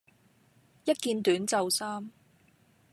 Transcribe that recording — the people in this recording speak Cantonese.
一件短袖衫